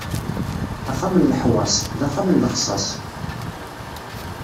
Axxam n leḥwaṣ, d axxam n lexṣas.